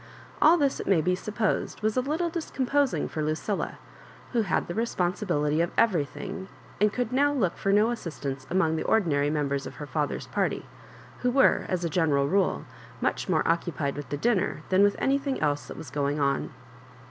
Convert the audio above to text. All this, it may be supposed, was a little discom posing for LucUUk who had the responsibility of everything, and who could now look for no as sistance among the ordinary members of her father's party, who were, as a general rule, much more occupied with the dinner than with anything else that was going on.